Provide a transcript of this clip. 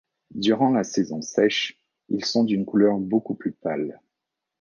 Durant la saison sèche ils sont d'une couleur beaucoup plus pâle.